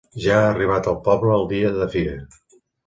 Ja ha arribat al poble el dia de fira.